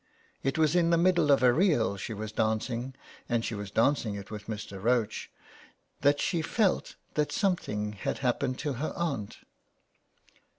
It was in the middle of a reel she was dancing, and she was dancing it with Mr. Roche, that she felt that some thing had happened to her aunt.